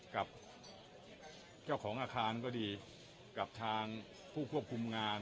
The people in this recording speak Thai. กับเจ้าของอาคารก็ดีกับทางผู้ควบคุมงาน